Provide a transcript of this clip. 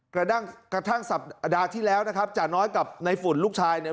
กระทั่งกระทั่งสัปดาห์ที่แล้วนะครับจาน้อยกับในฝุ่นลูกชายเนี่ย